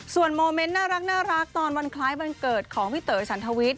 ส่วนโมเมนต์น่ารักตอนวันคล้ายวันเกิดของพี่เต๋อฉันทวิทย